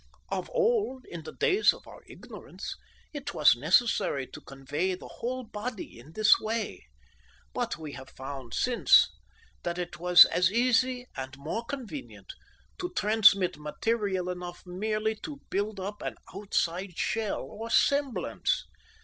Of old, in the days of our ignorance, it was necessary to convey the whole body in this way, but we have since found that it was as easy and more convenient to transmit material enough merely to build up an outside shell or semblance.